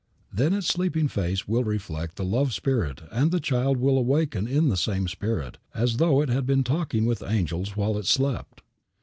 Then its sleeping face will reflect the love spirit and the child will awaken in the same spirit, as though it had been talking with angels while it slept.